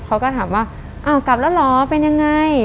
เขาก็ถามว่าอ้าวกลับแล้วเหรอเป็นยังไง